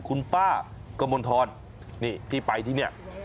คุณป้ากมณฑรที่ไปที่นี่